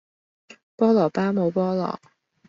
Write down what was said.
菠蘿包冇菠蘿